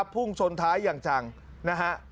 พุ่งชนท้ายอย่างจังนะฮะ